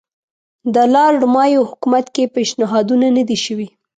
د لارډ مایو حکومت کې پېشنهادونه نه دي شوي.